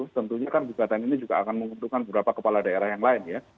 tentunya kan gugatan ini juga akan menguntungkan beberapa kepala daerah yang lain ya